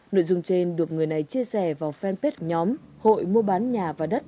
nội dung trên được người này chia sẻ vào fanpage nhóm hội mua bán nhà và đất